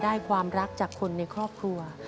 ความรักจากคนในครอบครัว